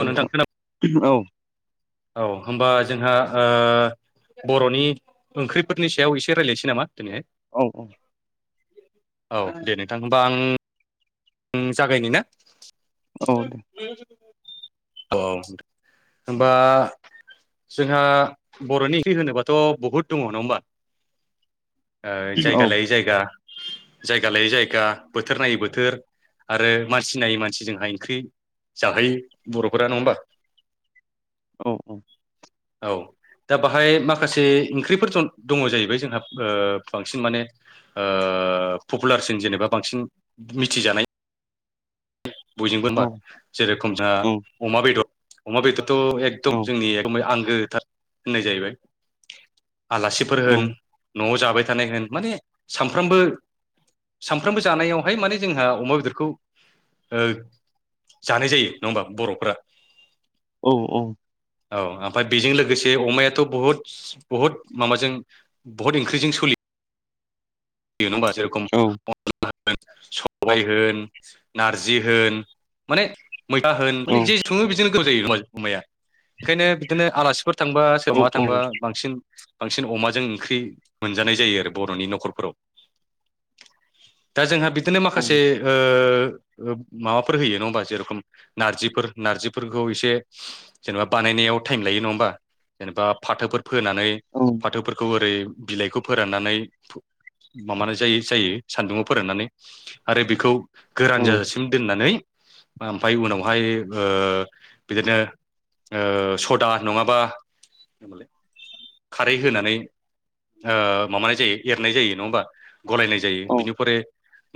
औ थ नोंथां खोना औ। औ होमबा जोंहा ओ बर'नि ओंख्रिफोरनि सायाव एसे रायलायनोसै नामा दिनैहाय। औ औ। औ दे नोंथां होमबा आं जागायनो ना औ दे। औ होनबा जोंहा बर'नि ओख्रि होनोबाथ' बहुद दङ नङा होमबा? ओ औ जायगा लायै जायगा जायगा लायै जायगा बोथोर नायै बोथोर। आरो मानसि नायै मानसि जोंहा ओंख्रि जाहोयो बर'फोरा नङा होमबा। औ औ औ दा बाहाय माखासे ओंख्रिफोर दङ जाहैबाय जोंहा ओ बांसिन माने। ओ पपुलारसिन जेनेबा बांसिन मिथिजानाय। औ बयजोंबो जेरखम जोंहा औ अमा बेदर अमा बेदरथ' औ एकदम जोंनि आंगोथार होननाय जाहैबाय आलासिफोर औ होन न'आव जाबाय थानाय होन माने सानफ्रामबो सानफ्रोमबो जानायावहाय माने जोंहा अमा बेदरखौ ओ जानाय जायो नङा होमबा बर'फोरा? औ औ औ ओमफ्राय बेजों लोगोसे अमायाथ' बहुद बहुद माबाजों। बहुत इनक्रिजं सलियो। बियो बा जेरखम अ होन सबाय होन नारजि होन माने मैथा होन माने जे सङो बिदिनो गोथाव जायो अमाया ओंखायनो बिदिनो आलासिफोर थांबा सोर मा औ थांबा बांसिन बांसिन अमाजों ओंख्रि मोनजानाय जायो आरो बर'नि न'खरफोराव। दा जोंहा बिदिनो माखासे। ओ माबाफोर होयो नङा होमबा जेरखम नारजिफोर नारजिफोरखौ एसे जेनेबा बानायनायाव टाइम लायो नङा होमबा जेनेबा फाथोफोर फोनानै औ फाथोफोरखौ ओरै बिलाइखौ फोराननानै माबानाय जायो जायो सान्दुंङाव फोराननानै आरो बेखौ नंगौ गोरान जाजासिम दोननानै। ओमफ्राय उनावहाय ओ बिदिनो। सदा नङाबा खारै होनानै माबानाय जायो एरनाय जायो। नङाबा गलायनाय जायो औ बिनिफ्राय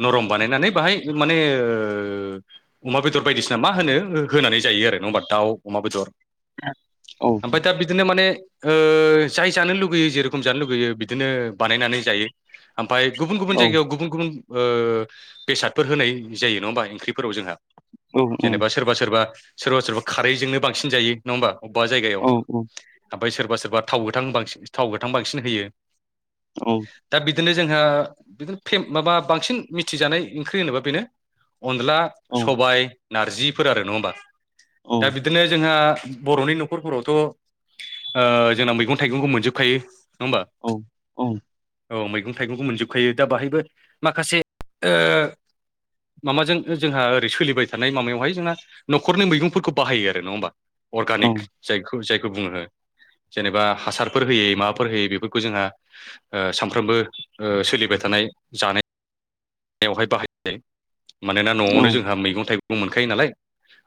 नरम बानायनानै बाहाय माने ओ अमा बेदर बायदिसिना मा होनो होनानै जायो आरो नङा होमबा दाउ अमा बेदर औ ओमफ्राय दा बिदिनो माने ओ जाय जानो लुगैयो जेरखम जानो लुगैयो बिदिनो बानायनानै जायो। आमफाय गुबुन गुबुन जायगायाव गुबुन गुबुन ओ बेसादफोर होनाय जायो नङा होमबा ओंख्रिफोराव जोंहा जेनेबा सोरबा सोरबा सोरबा सोरबा खारैजोंनो बांसिन जायो नङा होमबा अबेबा जायगायाव। ओमफाय सोरबा सोरबा थाव गोथां बांसिन थाव गोथां बांसिन होयो। औ दा बिदिनो जोंहा बिदिनो फेम माबा बांसिन मिथिजानाय ओंख्रि होनोबा बेनो। अन्ला सबाय नारजिफोर आरो नङा होमबा दा बिदिनो जोंहा बर'नि न'खरफोरावथ' ओ जोंना मैगं थाइगंखौ मोनजोबखायो नङा होमबा? औ औ औ मैगं थाइगंखौ मोनजोबखायो दा बाहायबो माखासे ओ माबाजों जोंहा ओरै सोलिबाय थानाय माबायावहाय जोंहा न'खरनि मैगंफोरखौ बाहायो आरो नङा होमबा अर्गानिक जायखौ जायखौ बुङो जेनेबा हासारफोर होयै माबाफोर होयै बेफोरखौ जोंहा ओ सामफ्रामबो ओ सोलिबाय थानाय जानाय नायाव हाय बाहाय जायो मानोना न'आवनो जोंहा मैगं थाइगं मोनखायो नालाय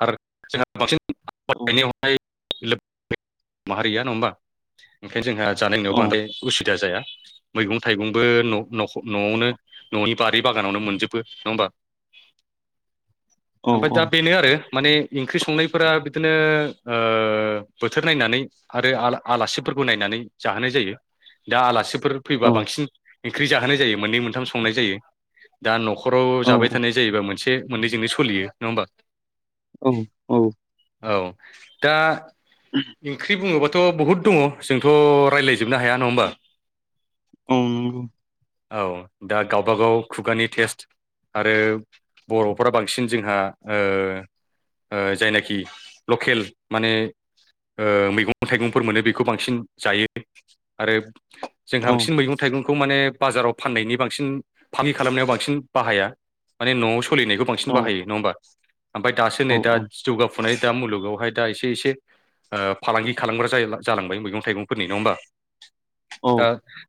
आर जोंहा बांसिन [unintelligible] [unintelligible] माहारिया नङा होमबा ओंखायनो जोंहा जानाय लोंनायाव बांद्राय उसुबिदा जाया मैगं थाइगंबो न' नख' न'आवनो न'नि बारि बागानावनो मोनजोबो नङा होमबा ओमफ्राय दा बेनो आरो माने ओंख्रि संनायफोरा बिदिनो ओ बोथोर नायनानै आरो आला आलासिफोरखौ नायनानै जाहोनाय जायो दा आलासि दा आलासिफोर फैबा बांसिन ओंख्रि जाहोनाय जायो मोननै मोनथाम संनाय जायो दा न'खर न'खराव जाबाय थानाय जायोबा मोनसे मोननैजोंनो सोलियो नङा होमबा? औ औ औ दा ओंख्रि बुङोबाथ' बहुद दङ। जोंथ' रायज्लायजोबनो हाया नङा होमबा? औ नंगौ औ दा गावबा गाव खुगानि टेस्ट आरो बर'फ्रा बांसिन जोंहा ओ ओ जायनाखि लकेल माने ओ मैगं थाइगंफोर मोनो बेखौ बांसिन जायो आरो जोंहा सिन मैगं थाइगंखौ माने बाजाराव फाननायनि बांसिन फालांगि खालामनायाव बांसिन बाहाया माने न'आव स'लिनायखौ बांसिन बाहायो नङा होमबा ओमफाय दासो नै दा जौगाफुनाय दा मुलुगावहाय दा एसे एसे ओ फालांगि खालामग्रा जालांबाय मैगं थाइगंफोरनि नङा होमबा? दा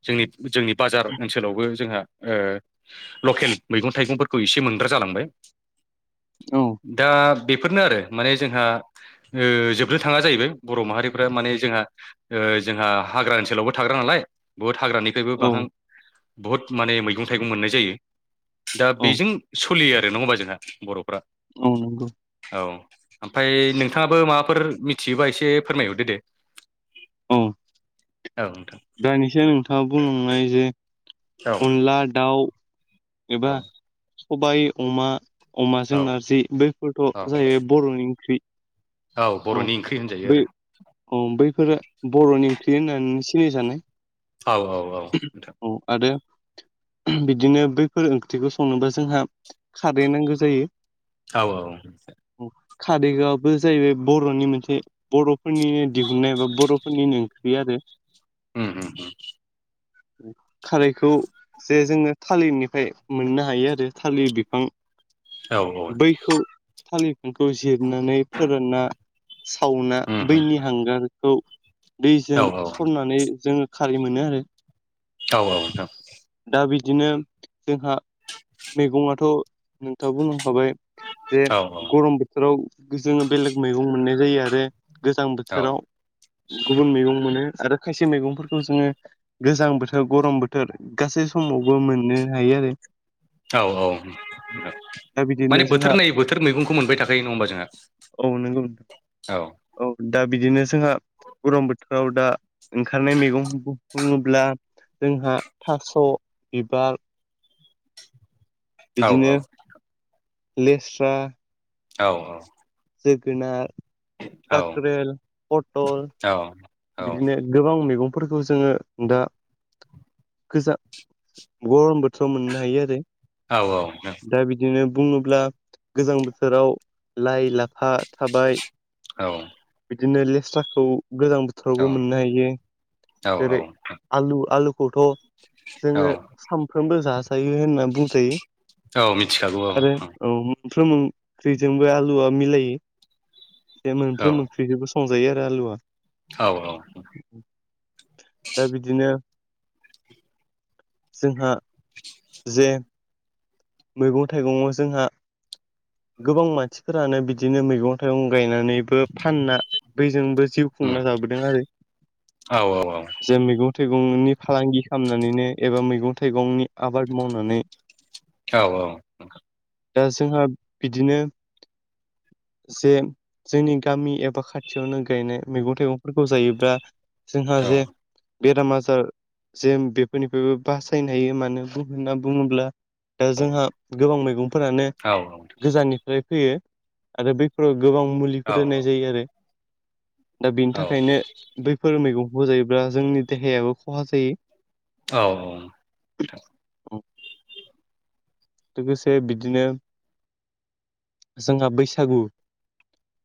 जोंनि जोंनि बाजार ओनसोलावबो जोंहा ओ लकेल मैगं थाइगंफोरखौ एसे मोनग्रा जालांबाय। औ दा बेफोरनो आरो माने जोंहा ओ जोबनो थाङा जाहैबाय बर' माहारिफ्रा माने जोंहा ओ जोंहा हाग्रा ओनसोलावबो थाग्रा नालाय बुहुत हाग्रानि [unintelligible] बहुत माने मैगं थाइगं मोननाय जायो दा बेजों स'लियो आरो नङा होमबा जोंहा बर'फ्रा औ नंगौ औ ओमफ्राय नोंथाङाबो माबाफोर मिथियोबा एसे फोरमायहरदो दे औ औ नोंथां दानिसो नोंथाङा बुंलांनाय जे औ अनला दाउ एबा औ सबाय अमा अमाजों औ नारजि बैफोरथ' औ जाहैबाय बर'नि ओंख्रि। औ बर'नि ओंख्रि होनजायो आरो। अ बैफोरो बर'नि ओंख्रि होननानै सिनायजानाय। औ औ औ नोंथां औ आरो बिदिनो बै फोर ओंख्रिखौ संनोबा जोंहा खारै नांगौ जायो। औ औ। कारैबोबो जाहैबाय बर'नि मोनसे बर'फोरनिनो दिहुननाय एबा बर'फोरनिनो ओंख्रि आरो। ओम ओम म खारैखौ जे जोंङो थालिरनि फाय मोननो हायो आरो थालिर बिफां औ बैखौ थालिरफांखौ जिरनानै फोरानना सावना उम उम बैनि हांगार खौ औ दैजों औ सरनानै जोंङो खारै मोनो आरो औ औ नोंथां। दा बिदिनो जोंहा मैगङथ' नोंथाङा बुंखांखाबाय। जे औ गरम बोथोराव जोंङो बेलेग मैगं मोननाय जायो आरो गोजां औ बोथोराव गुबुन मैगं मोनो आरो खायसे मैगंफोरखौ जोंङो गोजां बोथोर गरम बोथोर गासै समावबो मोननो हायो आरो। औ औ दा बिदिनो माने जोंहा बोथोर नायै बोथोर मैगंखौ मोनबाय थाखायो नङा होमबा जोंहा। औ नोंगौ नं औ। औ दा बिदिनो जोंहा गरम बोथोराव दा ओंखारनाय मैगं बु बुंङोब्ला जोंहा थास' बिबार औ बिदिनो लेस्रा औ जोगोनार, औ काख्रेल, पटल औ औ बिदिनो गोबां मैगंफोरखौ जोंङो दा गोजा गरम बोथोराव मोननो हायो आरो। औ औ नोंथां दा बिदिनो बुङोब्ला गोजां बोथोराव लाइ, लाफा थाबाय औ। बिदिनो लेस्राखौ गोजां बोथोरावबो मोननो हायो औ जेरै आलु आलुखौथ' जोंङो सामफ्रोमबो जाजायो होनना बुंजायो औ मिथिखागौ औ आरो औ मोनफ्रोम ओंख्रिजोंबो आलुआ मिलायो। बे औ मोनफ्रोम ओंख्रिजोंबो संजायो आरो आलुआ। औ औ दा बिदिनो जोंहा जे मैगं थाइगंआव जोंहा गोबां मानसिफोरानो बिदिनो मैगं थाइगं गायनानैबो फानना बैजोंबो जिउ उम खुंना जाबोदों आरो। औ औ जे मैगं थाइगंनि फालांगि खालामनानैनो एबा मैगं थाइगंनि आबाद मावनानै औ औ दा जोंहा बिदिनो जे जोंनि गामि एबा खाथियावनो गायनाय मैगं थाइगंफोरखौ जायोब्ला जोंहा औ जे बेराम आजार जे बेफोरनिफ्रायबो बासायनो हायो मानो होनना बुङोब्ला दा जोंहा गोबां मैगं फोरानो औ औ गोजाननिफ्राय फैयो आरो बैफोराव गोबां मुलिफोर होनाय जायो आरो। दा बिनि थाखायनो बैफोर मैगंखौजायोब्ला जोंनि देहायाबो खहा जायो। औ लोगोसे बिदिनो जोंहा बैसागु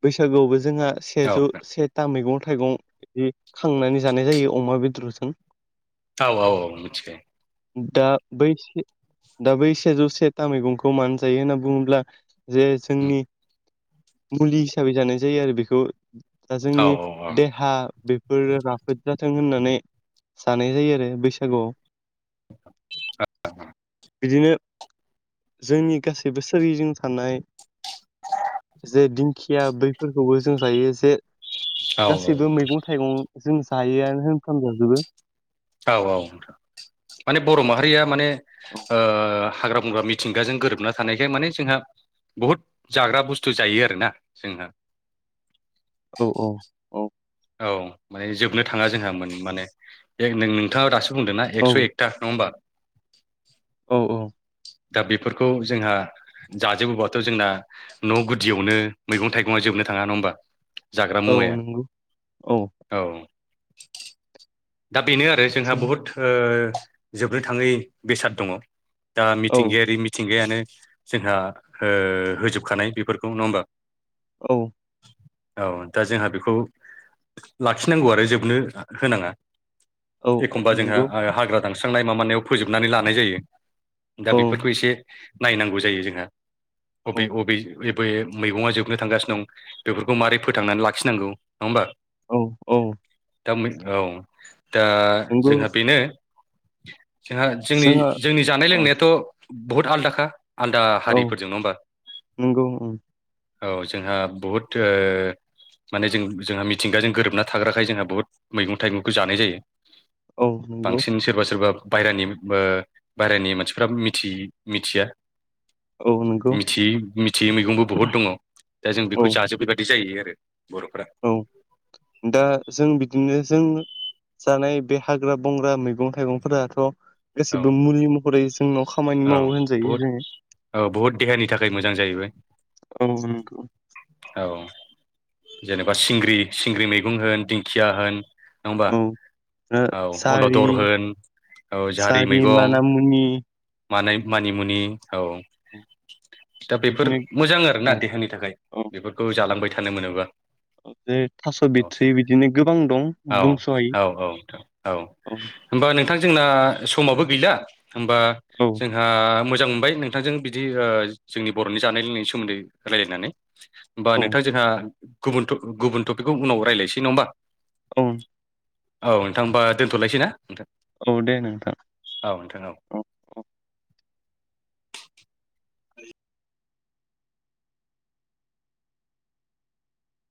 बैसागुआवबो जोंहा सेजौ सेथा मैगं थाइगं बिदि खांनानै जानाय जायो अमा बेदरजों। औ औ मिथिदों। दा बैसे दा बै सेजौ से था मैगंखौ मानो जायो होनना बुङोब्ला जे उम जोंनि औ मुलि हिसाबै जानाय जायो आरो बेखौ दा औ जोंनि औ देहा बे बोलो राफोद जाथों होननानै जानाय जायो आरो बैसागुआव। [unintelligible] बिदिनो जोंनि गासैबो सोरगिदिं थानाय जे दिंखिया बैफोरखौबो जों जायो जे गासैबो मैगं थाइगं जों जायोआनो होनफ्राम जाजोबो। औ औ नोंथां माने बर' माहारिया माने औ ओ हाग्रा बंग्रा थिंगाजों गोरोबना थानायखाय माने जोंहा बहुत जाग्रा बुस्थु जायो आरोना जोंहा। औ औ औ औ माने जोबनो थाङा जोंहा मोन माने बे नों थाङा दासो बुंदोंना एकथा नङा होमबा? औ औ दा बेफोरखौ जोंहा जाजोबोबाथ' जोंना न' गुदियावनो मैगं थाइगङा जोबनो थाङा नङा होमबा? जाग्रा औ मुवाया नंगौ औ। औ दा बेनो आरो जों बहुद ओ जोबनो थाङै बेसाद दङ दा औ मिथिंगायारि मि थिंगायानो जोंहा ओ होजोबखानाय बेफोरखौ नङा होमबा? औ औ दा जोंहा बेखौ लाखिनांगौ आरो जोबनो होनाङा औ एखमबा जोंहा नंगौ हाग्रा दानस्रांनाय माबानायाव फोजोबनानै लानाय जायो दा औ बेफोरखौ नायनांगौ जायो जोंहा। अबे औ अबे एबे मैगङा जोबनो थांगासिनो दं बेफोरखौ मारै फोथांनानै लाखिनांगौ नङा होमबा? औ औ दा बे औ दा नंगौ जोंहा बेनो जोंहा जोंनि जोंहा जोंनि जानाय औ लोंनायाथ' बहुद आलादाखा आलदा औ हारिफोरजों नङा होमबा? नंगौ ओं, औ जोंहा बहुत माने जों जोंहा मिथिंगाजों गोरोबना थाग्राखाय जोंहा बहुत मैगं थाइगंखौ जानाय जायो। औ नंगौ बांसिन सोरबा सोरबा बायहेरानि बायहेरानि मानसिफ्रा मिथि मिथिया औ नंगौ मिथियि मिथियि मैगंबो बहुद दङ दा जों औ बेखौ जाजोबबाय। बिदि जाहैयो आरो बर'फ्रा औ दा जों बिदिनो जों जानाय बे हाग्रा बंग्रा मैगं थाइगंफोराथ' औ गासैबो मुलि महरै जोंनाव खामानि औ मावो होनजायो बहुद जोङो। औ बहुद देहानि थाखाय मोजां जाहैबाय। औ नंगौ! औ जेनेबा सिंग्रि सिंग्रि मैगं होन दिंखिया होन नङा होमबा औ ओ औ जारि अल'दर होन औ जाहाथ [unintelligible] मानामुनि मानाय मानिमुनि औ दा बेफोर बिदिनो मोजां आरोना। औ देहानि थाखाय औ बेफोरखौ जालांबाय थानो मोनोबा बे थास' औ बिथ्रि बिदिनो गोबां दं औ बुंस' हायि औ औ नोथां औ होमबा नोंथां जोंना समाबो गैला होमबा औ ओ मोजां मोनबाय नोंथांजों बिदि ओ जोंनि बर'नि जानाय लोंनायनि सोमोन्दै रायलायनानै। होमबा औ नोंथां जोंहा गुबुन गुबुन टपिकखौ उनाव रायज्लायसै नङा होमबा? औ। औ नोंथां होमबा दोनथ'लायसै ना नोंथां औ दे नोंथां। औ नोंथां औ